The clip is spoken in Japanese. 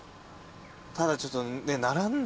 ただちょっと。